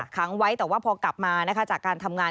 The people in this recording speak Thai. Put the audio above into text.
ค้างไว้แต่ว่าพอกลับมานะคะจากการทำงาน